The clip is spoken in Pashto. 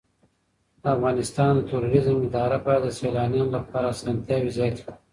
د افغانستان د توریزم اداره باید د سېلانیانو لپاره اسانتیاوې زیاتې کړي.